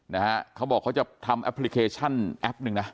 นะฮะเขาบอกเขาจะทำแอปพลิเคชันแอปหนึ่งนะ